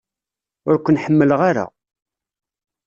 Ur ken-ḥemmleɣ ara.